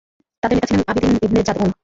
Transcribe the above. তাদের নেতা ছিলেন আবীদান ইবন জাদউন।